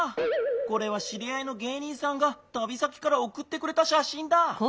これはしりあいの芸人さんがたび先からおくってくれたしゃしんだ。